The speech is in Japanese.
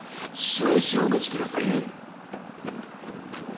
少々お待ちくださいね！